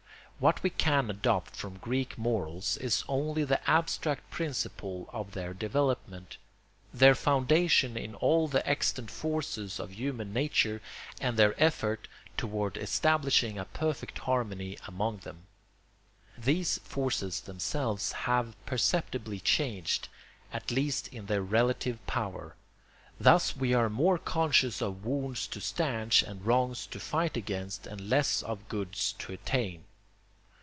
What we can adopt from Greek morals is only the abstract principle of their development; their foundation in all the extant forces of human nature and their effort toward establishing a perfect harmony among them. These forces themselves have perceptibly changed, at least in their relative power. Thus we are more conscious of wounds to stanch and wrongs to fight against, and less of goods to attain.